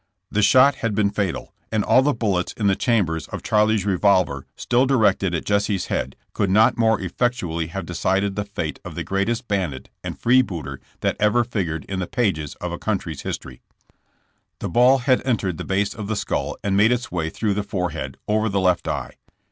The shot had been fatal and all the bullets in the chambers of Charlie's revolver still directed at Jesse's head could OUTI^AWED AND HUNTED. 99 not more effectually have decided the fate of the greatest bandit and free hooter that ever figured in the pages of a country's history. The ball had entered the base of the skull and made its way out through the forehead, over the left eye.